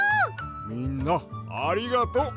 みんなありがとう！